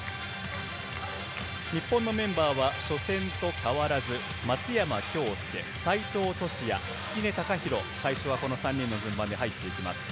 日本のメンバーは初戦と変わらず、松山恭助、西藤俊哉、敷根崇裕、最初はこの３人の順番に入っていきます。